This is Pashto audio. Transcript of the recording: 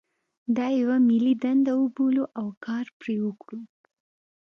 دا یوه ملي دنده وبولو او کار پرې وکړو.